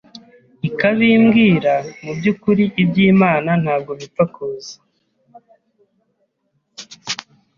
ikabimbwira mu byukuri iby’Imana ntabwo bipfa kuza,